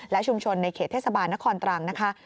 และชุมชนในเขตเทศบาลนครตรังนะคะ